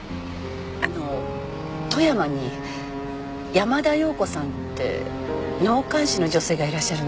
あの富山に山田洋子さんって納棺師の女性がいらっしゃるんです。